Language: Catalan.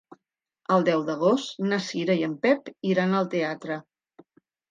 El deu d'agost na Cira i en Pep iran al teatre.